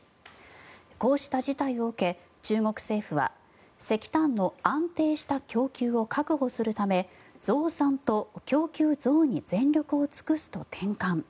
こうした事態を受け中国政府は石炭の安定した供給を確保するため増産と供給増に全力を尽くすと転換。